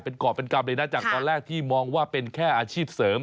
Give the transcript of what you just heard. เป็นกรอบเป็นกรรมเลยนะจากตอนแรกที่มองว่าเป็นแค่อาชีพเสริม